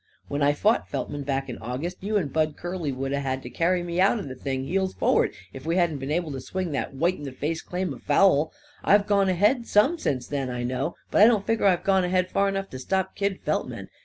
When I fought Feltman, back in August, you and Bud Curly would 'a' had to carry me out'n the ring, heels forward, if we hadn't been able to swing that white in the face claim of foul. I've gone ahead some since then, I know that, but I don't figger I've gone ahead far enough to stop Kid Feltman.